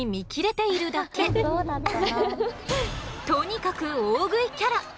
とにかく大食いキャラ。